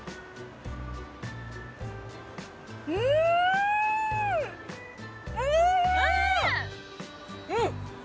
うんうんっ！